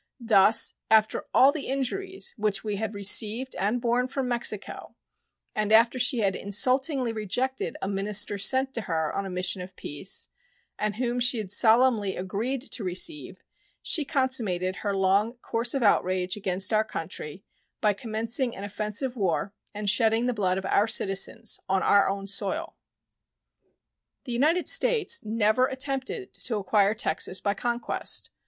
Thus, after all the injuries which we had received and borne from Mexico, and after she had insultingly rejected a minister sent to her on a mission of peace, and whom she had solemnly agreed to receive, she consummated her long course of outrage against our country by commencing an offensive war and shedding the blood of our citizens on our own soil. The United States never attempted to acquire Texas by conquest.